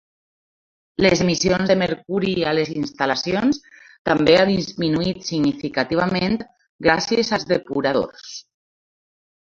Les emissions de mercuri a les instal·lacions també han disminuït significativament gràcies als depuradors.